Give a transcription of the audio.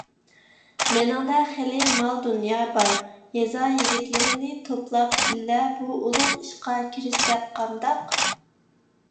مېنىڭدە خېلى مال - دۇنيا بار، يېزا يىگىتلىرىنى توپلاپ، بىللە بۇ ئۇلۇغ ئىشقا كىرىشسەك قانداق؟